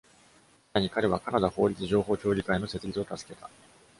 さらに、彼はカナダ法律情報協議会の設立を助けた。